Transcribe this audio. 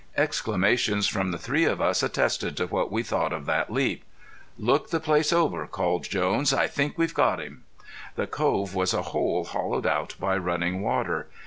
Exclamations from the three of us attested to what we thought of that leap. "Look the place over," called Jones. "I think we've got him." The cove was a hole hollowed out by running water.